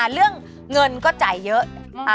เรื่องเงินก็จ่ายเยอะ